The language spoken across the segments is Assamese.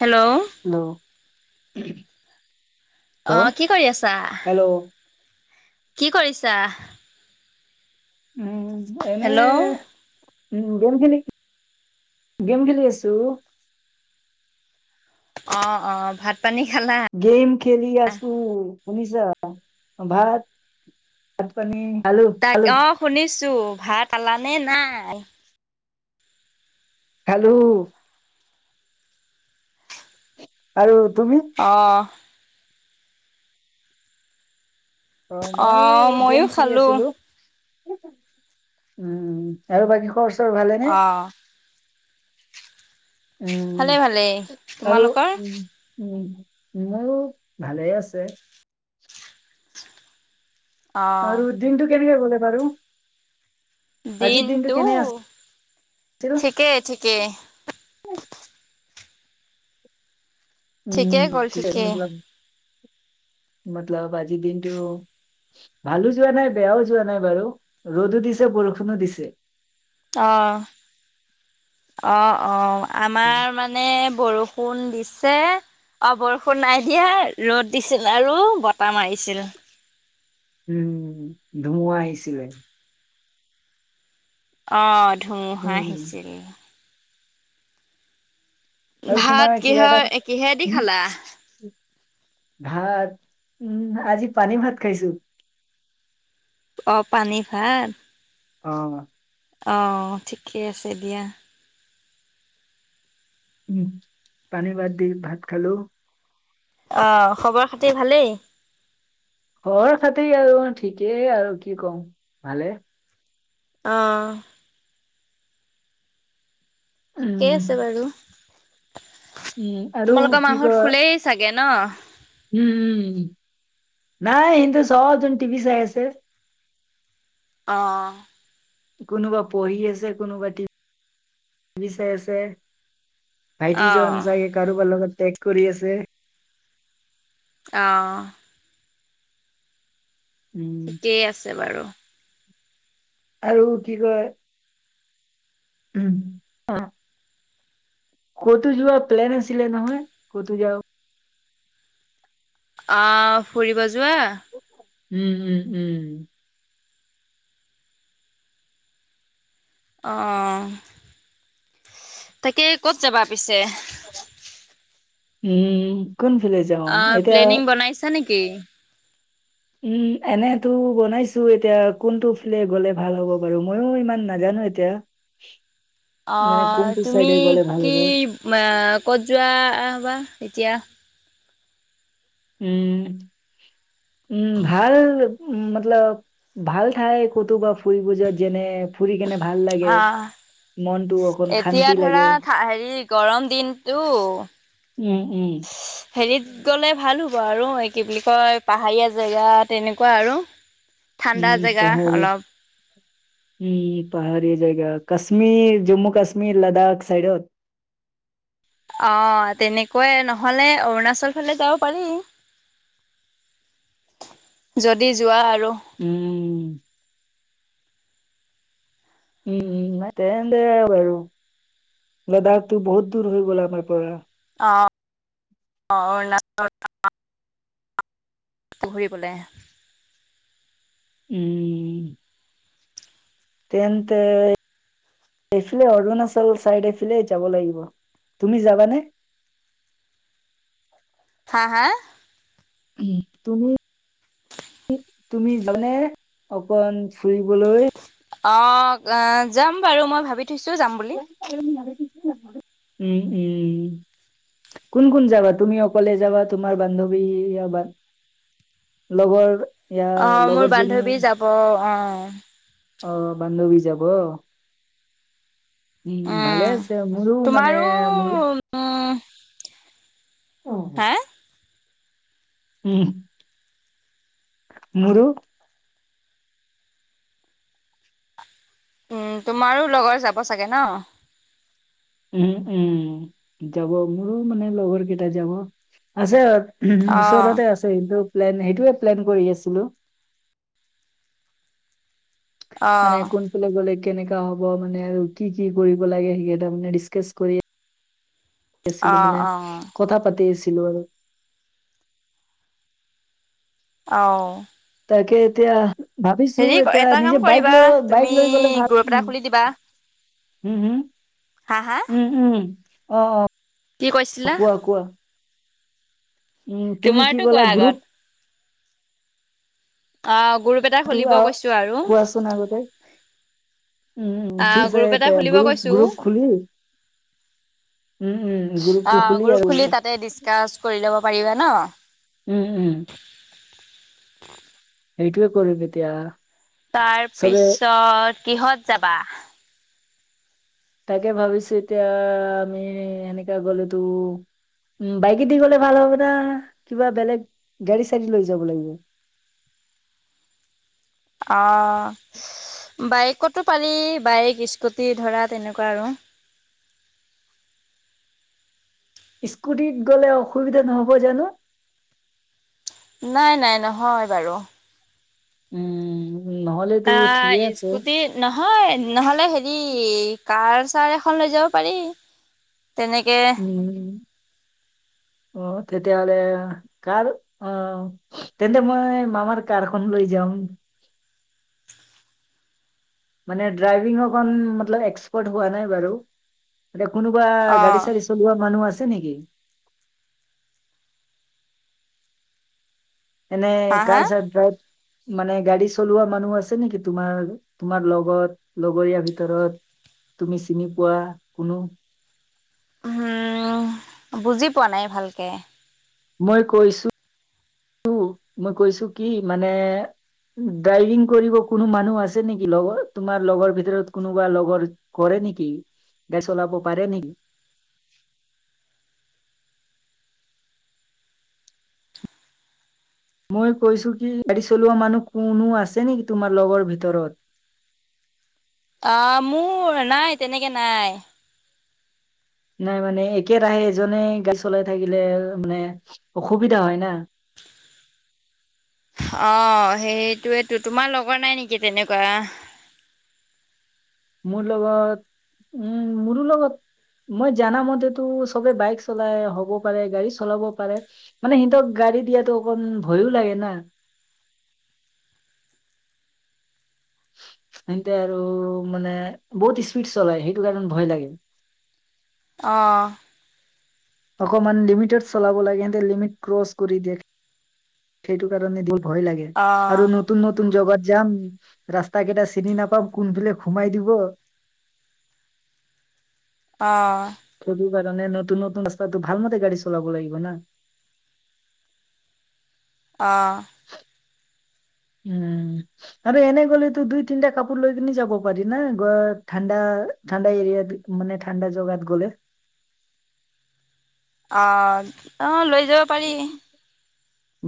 হেল্ল'। হেল্ল'। অ, হেল্ল' কি কৰি আছা, হেল্ল' কি কৰিছা? উম, এনে হেল্ল' উম, গেম খেলি- গেম খেলি আছোঁ। অ, অ, ভাত পানী খালা? গেম খেলিআছোঁ। শুনিছা ভাত? ভাত পানী খালোঁ- তাক খালোঁ। অ শুনিছো, ভাত খালানে নাই? খালোঁ। আৰু তুমি? অঁ। অ, মইও গেম ময়ো খেলি খালো আছিলোঁ। উম, আৰু বাকী খবৰ- চবৰ ভালেনে? অ উম, ভালে ভালেই আৰু তোমালোকৰ উম, মোৰো ভালে আছে। অ আৰু দিনটো কেনেকে গ'লে বাৰু? আজিৰ দিনটো কেনে আছিল ঠিকেই- ঠিকেই। উম, ঠিকেই গ'ল চিন্তা কৰিব ঠিকেই নালাগে, মতলব আজি দিনটো ভালো যোৱা নাই, বেয়াও যোৱা নাই বাৰু, ৰ'দো দিছে বৰষুণো দিছে। অ- অ- অ, আমাৰ উম, মানে মানে বৰষুণ দিছে অ, বৰষুণ নাই দিয়া, ৰ'দ দিছিল আৰু বতাহ মাৰিছিল। উম, ধুমুহা আহিছিলে। অ, ধুমুহা উম, আহিছিল। আৰু ভাত তোমাৰ কিবা এটা কিহৰ, এ কিহে দি উম, খালা? ভাত, উম, আজি পানী ভাত খাইছোঁ। অহ, পানীভাত। অহ। অহ, ঠিকে আছে দিয়া। পানী ভাত দি ভাত খালোঁ। অহ, খবৰ খাতি ভালেই। খবৰ খাতি আৰু ঠিকেই আৰু কি কম, ভালে। আহ। ঠিকেই আছে উম বাৰু। উম আৰু তোমালোকৰ কি মাহঁত কয় শুলেই চাগে ন'? উম! নাই, এহঁতে চবজন টিভি চাই আছে। অ' অ'! কোনোবা পঢ়ি আছে, কোনোবা টি ভি চাই আছে। ভাইটিজন অঁ চাগে, কাৰোবাৰ লগত টেগ কৰি আছেঋ অ'! উম ঠিকেই আছে বাৰু। আৰু কি কয়! উম, অ'! ক'তো যোৱা প্লেন আছিলে নহয়, ক'তো যাওঁ। অ'! ফুৰিব যোৱা? উম, উম, উম। অ' অ'! তাকে, ক'ত যাবা পিছে? উম, কোনফালে যাওঁ? এতিয়া গৈছা নেকি? উম, এনেতো বনাইছোঁ এতিয়া। কোনটো ফিলে, গ'লে ভাল হ'ব বাৰু? মইও ইমান নাজানোঁ এতিয়া। মানে অ'! কোনটো তুমি চাইডে গ'লে ভাল কি হ'ব আঁ বা ক'ত যোৱা বা এতিয়া? উম, উম, ভাল উম, মতলব, ভাল ঠাই ক'তোবা ফুৰিব যোৱা। যেনে- ফুৰি কেনে ভাল লাগে। অঁ মনটো অ এতিয়া ধৰা, সেৰি গৰম দিনটো উম, উম। সেৰিত গ'লে ভাল হ'ব আৰু। এই, কি বুলি কয়। পাহাৰীয়া জেগা তেনেকুৱা আৰু উম ঠাণ্ডা জেগা, পাহৰি অলপ। উম, পাহাৰীয়া জেগা। কাশ্মীৰ, জম্মু কাশ্মীৰ, লাডাখ চাইডত। অ'! তেনেকুৱায়। নহ'লে, অৰুণাচল ফালে যাব পাৰি। যদি যোৱা আৰু। উম! উম, উম, তেনে [unintelligible] বাৰু। লাডাখটো বহুত দূৰ হৈ গ'ল, আমাৰ পৰা। অ'! [unintelligible] ঘূৰিবলে। উম। উম। তেন্তে, এইফালে অৰুণাচল চাইডে ফালে যাব লাগিব। তুমি যাবানে? হা, হা! উম! তুমি, তুমি যোনে অকন ফুৰিবলৈ অ'! [unintelligible] যাম বাৰু। মই ভাবি থৈছোঁ, যাম বুলি। উম, উম। কোন কোন যাবা? তুমি অকলে যাবা? তোমাৰ বান্ধৱী [unintelligible] লগৰ। ইয়া অ, মোৰ লগৰজনী বান্ধৱী যাব অ। অ বান্ধৱী যাব? উম ভালে আছে মোৰো মানে তোমাৰো মোৰ হে উম, মোৰো উম, তোমাৰো লগৰ যাব চাগে ন? উম-উম যাব মোৰো মানে লগৰ কেইটা যাব আছে উমহ অ ওচৰতে আছে কিন্তু প্লেন সেইটোৱে প্লেন কৰি আছিলো। মানে অ কোনফালে গ'লে কেনেকা হ'ব মানে আৰু কি-কি কৰিব লাগে সেইকেইটা মানে ডিচকাচ কৰি আছিলো অঁ মানে অঁ কথা পাতি আছিলো আৰু। অ তাকে এতিয়া ভাবিছো এতিয়া এটা কাম নিজে বাইক কৰিবা লৈ বাইক তুমি লৈ গ'লে ভাল গ্ৰুপ এটা উম। খুলি দিবা হুম হুম, হা হা উম-উম, অ-অ কি কৈছিলা? পকুৱা? উম, তুমি কি তোমাৰতো কলা কোৱা আগত গ্ৰুপ অ গ্ৰুপ এটা খুলিব কৈছো আৰু। চোন আগতে উম অঁ ঠিক আছে গ্ৰুপ এটা খুলিব গ্ৰুপ কৈছো গ্ৰুপ খুলি উম উম অ গ্ৰুপটো আৰু গ্ৰুপ খুলি তাতে ডিচকাচ কৰি লব পাৰিবা ন? উম-উম সেইটোৱে কৰিম এতিয়া। চবে তাৰপিছত কিহত যাবা? তাকে ভাবিছো এতিয়া আমি এনেকা গলেতো উম বাইকেদি গলে ভাল হব না, কিবা বেলেগ গাড়ী-চাড়ী লৈ যাব লাগিব। অ বাইকতো পাৰি বাইক স্কুটি ধৰা তেনেকোৱা আৰু। স্কুটিত গ'লে অসুবিধা নহব জানো? নাই- নাই নহয় বাৰু। উম নহলেতো আহ ঠিকে আছে। স্কুটি নহয় নহলে হেৰি কাৰ-ছাৰ এখন লৈ যাব পাৰি। তেনেকে উম অ তেতিয়াহলে কাৰ অ তেন্তে মই মামাৰ কাৰখন লৈ যাম। মানে ড্ৰাইভিং অকন মতলব এক্সপাৰ্ট হোৱা নাই বাৰু এ কোনোবা অ গাড়ী-চাড়ী চলোৱা মানুহ আছে নেকি? এনে হা হা কাৰ-চাৰ ড্ৰাইভ মানে গাড়ী চলোৱা মানুহ আছে নেকি তোমাৰ তোমাৰ লগত লগৰীয়া ভিতৰত তুমি চিনি পোৱা কোনো হুম বুজি পোৱা নাই ভালকে। মই কৈছো মই কৈছো কি মানে ড্ৰাইভিং কৰিব কোনো মানুহ আছে নেকি লগৰ তোমাৰ লগৰ ভিতৰত কোনোবা লগৰ কৰে নেকি গাড়ী চলাব পাৰে নেকি? মই কৈছো কি গাড়ী চলোৱা মানুহ কোনো আছে নেকি তোমাৰ লগৰ ভিতৰত? অ মোৰ নাই তেনেকে নাই। নাই মানে একেৰাহে এজনে গাড়ী চলাই থাকিলে মানে অসুবিধা হয় না। অ সেইটোৱেটো, তোমাৰ লগৰ নাই নেকি তেনেকোৱা? মোৰ লগত, উম মোৰো লগত মই জানা মতেটো সবে বাইক চলাই, হ'ব পাৰে গাড়ী চলাব পাৰে। মানে সিহঁতক গাড়ী দিয়াটো অকমান ভয়ো লাগে না হেঁতে আৰু মানে বহুত স্পীড চলাই সেইটো কাৰণে ভয় লাগে। অঁ অকণমান লিমিটত চলাব লাগে, সিহঁতে লিমিট ক্ৰচ কৰি দিয়ে। সেইটো কাৰণে বহুত ভয় লাগে অ আৰু ন তুন নতুন জগাত যাম ৰাস্তা কেইটা চিনি নাপাম কোনফালে সুমাই দিব অঁ সেইটো কাৰণে নতুন নতুন ৰাস্তাটো ভালমতে গাড়ী চলাব লাগিব না। অ [inaudible] উম আৰু এনে গলেতো দুই তিনটা কাপোৰ লৈ কিনি যাব পাৰি না গ ঠাণ্ডা, ঠাণ্ডা এৰিয়াত মানে ঠাণ্ডা জগাত গ'লে অ অ লৈ যাব পাৰি।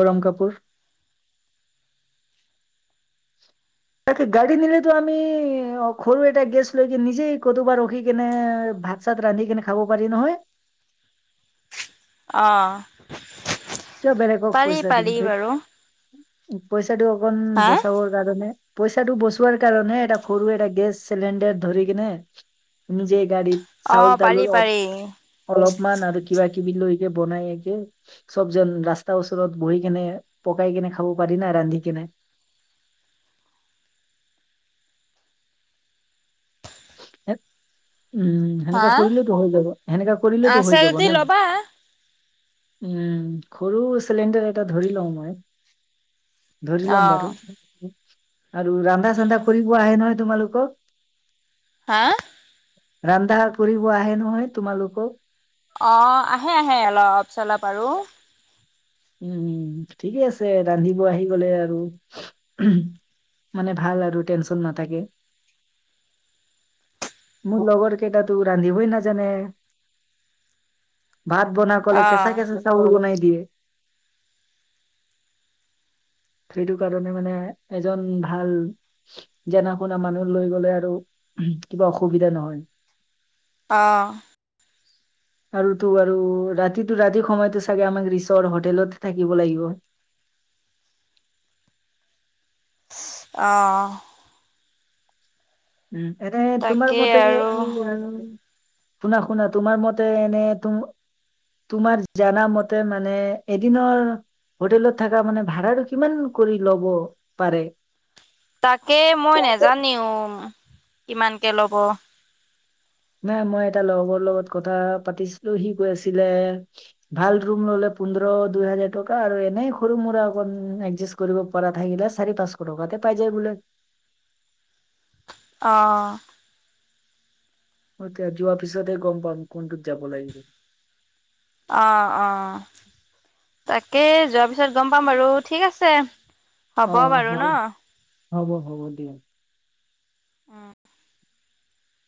গৰম কাপোৰ তাকে গাড়ী নিলেতো আমি অ সৰু এটা গেছ লৈ কিনে নিজেই কৰবাত ৰখি কেনে ভাত চাত ৰান্ধি কেনে খাব পাৰি নহয় অ কিয় বেলেগক পাৰি পইচা দিম পাৰি ধেত, বাৰু পইচাটো অকণ হা বচাবৰ কাৰণে পইচাটো বচোৱাৰ কাৰণে এটা সৰু এটা গেছ চিলিণ্ডাৰ ধৰি কেনে নিজেই গাড়ীত অ চাউল পাৰি তাউল অ পাৰি অলপমান আৰু কিবা কিবি লৈকে বনাই একে চব যে ৰাস্তাৰ ওচৰত বহি কেনে পকাই কেনে খাব পাৰি না ৰান্ধি কেনে উম হা সেনেকা কৰিলেওটো হৈ যাব সেনেকা কৰিলেওতো আছে হৈ যাব যদি ন। ল'বা উম সৰু চিলিণ্ডাৰ এটা ধৰি লওঁ মই ধৰি অ ল'ম বাৰু আৰু ৰন্ধা চান্ধা কৰিব আহে নহয় তোমালোকক হা ৰন্ধা কৰিব আহে নহয় তোমালোকক? অ আহে আহে অলপ চলপ আৰু উম ঠিকে আছে ৰান্ধিব আহি গলে আৰু মানে ভাল আৰু টেনচন নাথাকে। [inaudible] মোৰ লগৰ কেইটাতো ৰান্ধিবই নাজানে। ভাত বনা ক'লে কেঁচা অ', কেঁচা চাউল বনাই দিয়ে সেইটো কাৰণে মানে এজন ভাল জানা শুনা মানুহ লৈ গলে আৰু কিবা অসুবিধা নহয়। অঁ আৰু তো আৰু ৰাতিটো ৰাতিৰ সময়তো চাগে আমাক ৰিচৰ হয় হোটেলতে থাকিব লাগিব। অ এটা এ তোমাৰ তাকেই মতে আৰু শুনা শুনা তোমাৰ মতে এনে তুম তোমাৰ জানা মতে মানে, এদিনৰ হোটেলত থকা মানে, ভাড়াটো কিমান কৰি ল'ব পাৰে? তাকে মই নাজানিম, কিমানকে ল'ব! মই এটা লগৰ লগত কথা পাতিছিলোঁ। সি কৈ আছিলে ভাল ৰুম ল'লে, পোন্ধৰ দুই হাজাৰ টকা আৰু এনেই সৰু মোৰা অকন একজা কৰিব পৰা থাকিলে, চাৰি পাঁচশ টকাতে পাই যায় বোলে। অ', এতিয়া যোৱা পিছতে গম পাম, কোনটোত যাব লাগিব। অ'অ'তাকেই, যোৱাৰ পিছত গম পাম বাৰু, ঠিক আছে। অ', হ'ব বাৰু ন। হ'ব হ'ব, হ'ব দিয়া। উম্,